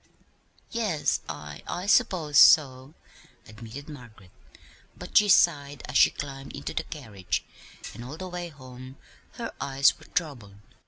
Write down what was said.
"Yes, I I suppose so," admitted Margaret; but she sighed as she climbed into the carriage, and all the way home her eyes were troubled.